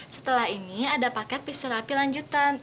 setelah ini ada paket pistorapi lanjutan